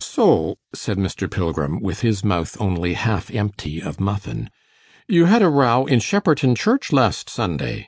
'So,' said Mr. Pilgrim, with his mouth only half empty of muffin, 'you had a row in Shepperton Church last Sunday.